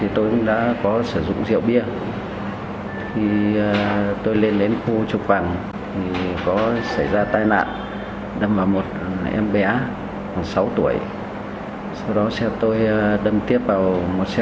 tôi biết sử dụng rượu bia khi tham gia giao thông là sai với pháp luật